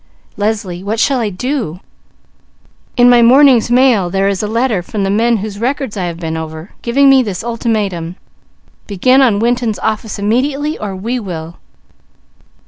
Leslie, what shall I do? In my morning's mail there is a letter from the men whose records I have been over, giving me this ultimatum: 'begin on Winton's office immediately, or we will.'